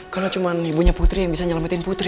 karena cuma ibunya putri yang bisa nyelamatin putri